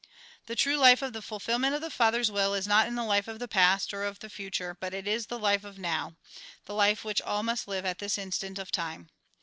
The true life of the fulfilment of the Father's will is not in the life of the past, or of the future, but it is the life of now, the life which all must live at this instant of time.